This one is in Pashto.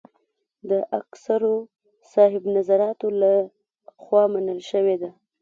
د اکثرو صاحب نظرانو له خوا منل شوې ده.